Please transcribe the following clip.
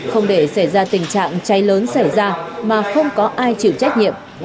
không để xảy ra tình trạng cháy lớn xảy ra mà không có ai chịu trách nhiệm